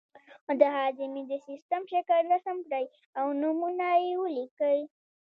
هو د هاضمې د سیستم شکل رسم کړئ او نومونه یې ولیکئ